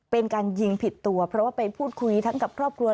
เป็นการยิงผิดตัวเพราะว่าไปพูดคุยทั้งกับครอบครัว